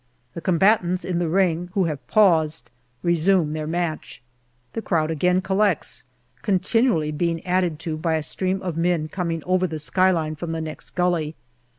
The combatants in the ring, who have paused, resume their match. The crowd again collects, continually being added to by a stream of men coming over the skyline from the next gully.